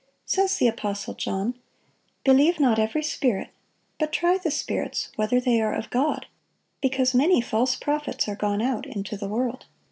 Says the apostle John, "Believe not every spirit, but try the spirits whether they are of God: because many false prophets are gone out into the world."